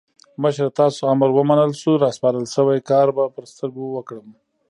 مشره تاسو امر ومنل شو؛ راسپارل شوی کار به پر سترګو وکړم.